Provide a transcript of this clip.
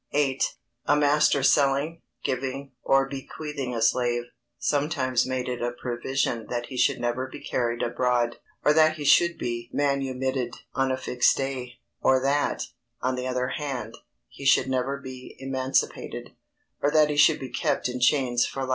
VIII. _A master selling, giving, or bequeathing a slave, sometimes made it a provision that he should never be carried abroad, or that he should be manumitted on a fixed day; or that, on the other hand, he should never be emancipated, or that he should be kept in chains for life.